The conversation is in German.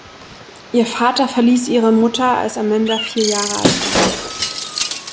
Ihr Vater verließ ihre Mutter, als Amanda vier Jahre alt war.